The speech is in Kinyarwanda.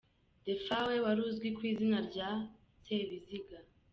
Defawe, wari uzwi ku izina rya “Sebiziga”.